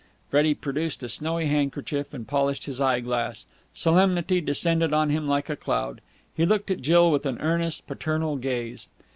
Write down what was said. Freddie produced a snowy handkerchief, and polished his eye glass. Solemnity descended on him like a cloud. He looked at Jill with an earnest, paternal gaze.